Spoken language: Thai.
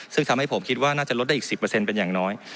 ซึ่งทำให้ผมคิดว่าน่าจะลดได้อีก๑๐เป็นอย่างน้อย